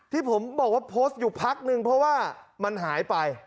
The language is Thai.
ที่ผมบอกว่าโพสต์อยู่พักนึงเพราะว่ามันหายไป